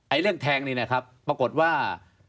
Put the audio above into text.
อ๋อไอ้เรื่องแทงนี้นะครับปรากฏว่า